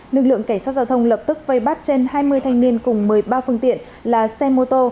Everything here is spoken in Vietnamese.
lực lượng cảnh sát giao thông lập tức vây bắt trên hai mươi thanh niên cùng một mươi ba phương tiện là xe mô tô